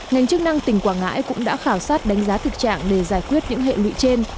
ngành chức năng tỉnh quảng ngãi cũng đã khảo sát đánh giá thực trạng để giải quyết những hệ lụy trên